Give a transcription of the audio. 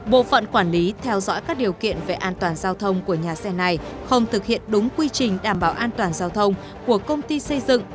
bộ phận quản lý theo dõi các điều kiện về an toàn giao thông của nhà xe này không thực hiện đúng quy trình đảm bảo an toàn giao thông của công ty xây dựng